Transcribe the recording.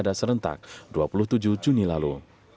pada serentak dua puluh tujuh juni lalu